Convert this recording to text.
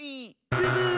ブブー。